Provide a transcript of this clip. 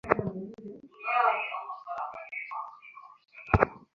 আমক পরের বার গুলি করব, করবোই!